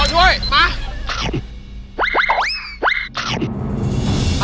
โจทย์ช่วยมา